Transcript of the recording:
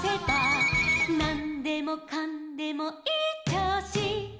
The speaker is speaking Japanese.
「なんでもかんでもいいちょうし」